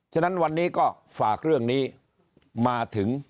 ฉะนั้นวันนี้ก็ฝากเรื่องนี้มาถึง